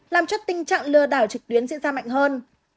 làm cho tình trạng lừa đảo trực tuyến diễn ra mạnh hơn